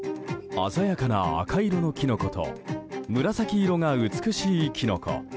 鮮やかな赤色のキノコと紫色が美しいキノコ。